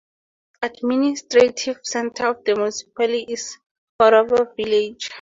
Administrative centre of the municipality is Orava village.